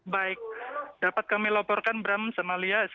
baik dapat kami laporkan bram samalia